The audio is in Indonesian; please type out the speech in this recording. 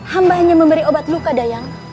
hamba hanya memberi obat luka dayang